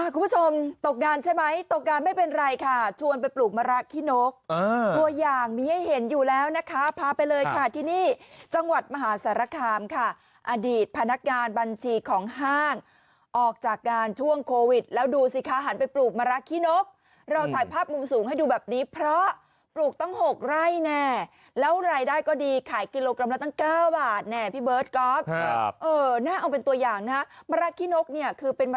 ตกงานใช่ไหมตกงานไม่เป็นไรค่ะชวนไปปลูกมะระขี้นกตัวอย่างมีให้เห็นอยู่แล้วนะคะพาไปเลยค่ะที่นี่จังหวัดมหาสารคามค่ะอดีตพนักงานบัญชีของห้างออกจากงานช่วงโควิดแล้วดูสิคะหันไปปลูกมะระขี้นกเราถ่ายภาพมุมสูงให้ดูแบบนี้เพราะปลูกตั้ง๖ไร่แน่แล้วรายได้ก็ดีขายกิโลกรัมละตั้ง๙บาทแน่พี่เบิร์ตก๊อฟครับเออน่าเอาเป็นตัวอย่างนะคือเป็นม